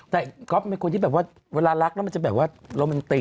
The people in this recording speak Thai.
แต่ยก๊อปมันควรเวลารักมันจะแบบว่าโรมันติก